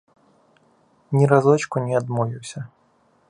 Ні разочку не адмовіўся.